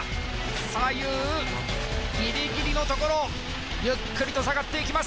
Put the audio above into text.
左右ギリギリのところゆっくりと下がっていきます